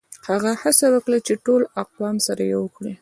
هغه هڅه وکړه چي ټول اقوام سره يو کړي.